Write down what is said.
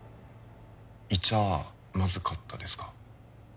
いちゃまずかったですか？